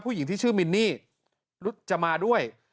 ผู้หญิงที่ชื่อมินนี่จะมาด้วย